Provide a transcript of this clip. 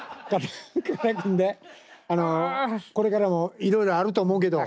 ああこれからもいろいろあると思うけど。